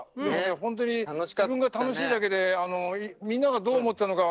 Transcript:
本当に自分が楽しいだけでみんなが、どう思ったのか